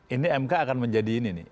ini mk akan menjadi ini nih